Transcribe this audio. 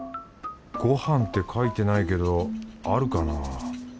ごはんって書いてないけどあるかな？